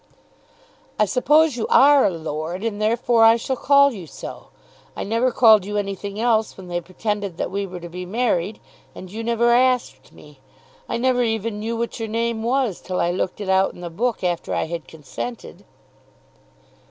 "I suppose you are a lord, and therefore I shall call you so. I never called you anything else when they pretended that we were to be married, and you never asked me. I never even knew what your name was till I looked it out in the book after I had consented."